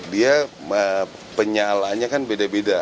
dia penyalaannya kan beda beda